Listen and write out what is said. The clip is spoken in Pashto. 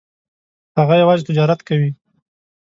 هغه یوازې تجارت کوي.